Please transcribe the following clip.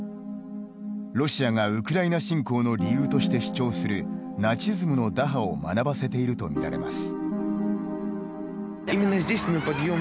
ロシアがウクライナ侵攻の理由として主張するナチズムの打破を学ばせていると見られます。